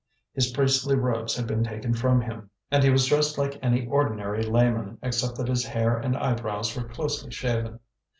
His priestly robes had been taken from him, and he was dressed like any ordinary layman, except that his hair and eyebrows were closely shaven.